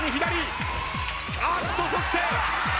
あっとそして！